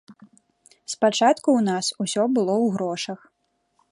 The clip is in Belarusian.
Спачатку ў нас усё было ў грошах.